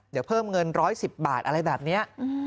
เดี๋ยวเพิ่มเงิน๑๑๐บาทอะไรแบบนี้